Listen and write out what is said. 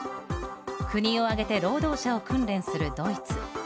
国を挙げて労働者を訓練するドイツ。